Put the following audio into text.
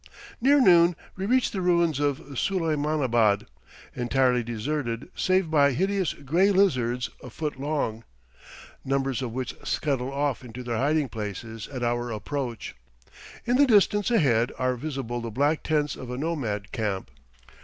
Near noon we reach the ruins of Suleimanabad, entirely deserted save by hideous gray lizards a foot long, numbers of which scuttle off into their hiding places at our approach. In the distance ahead are visible the black tents of a nomad camp.